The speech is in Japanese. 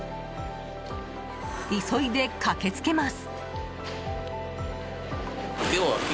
急いで駆けつけます。